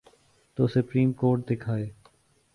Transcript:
تو supreme court دکھائے۔